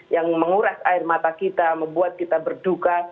yang menguras air mata kita membuat kita berduka